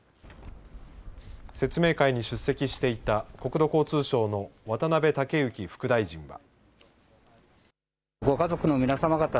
説明会に出席していた国土交通省の渡辺猛之副大臣は。